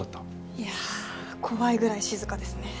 いやっ怖いぐらい静かですね